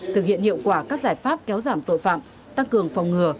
thực hiện hiệu quả các giải pháp kéo giảm tội phạm tăng cường phòng ngừa